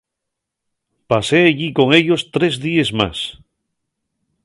Pasé ellí con ellos tres díes más.